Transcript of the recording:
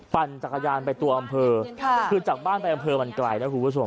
ปั่นจักรยานไปตัวอำเภอคือจากบ้านไปอำเภอมันไกลนะคุณผู้ชม